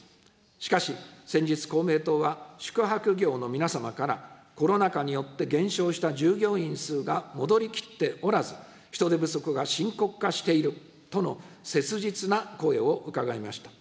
しかし、先日公明党は、宿泊業の皆様から、コロナ禍によって減少した従業員数が戻りきっておらず、人手不足が深刻化しているとの切実な声を伺いました。